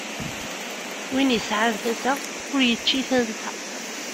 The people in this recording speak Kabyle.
Win isɛan tasa, ur ičči tansa.